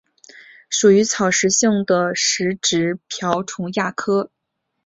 属于草食性的食植瓢虫亚科。